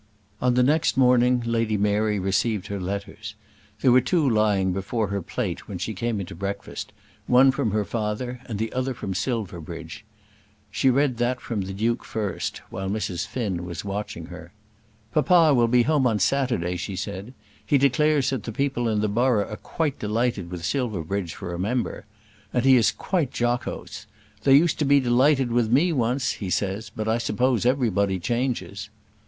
On the next morning Lady Mary received her letters. There were two lying before her plate when she came into breakfast, one from her father and the other from Silverbridge. She read that from the Duke first while Mrs. Finn was watching her. "Papa will be home on Saturday," she said. "He declares that the people in the borough are quite delighted with Silverbridge for a member. And he is quite jocose. 'They used to be delighted with me once,' he says, 'but I suppose everybody changes.'"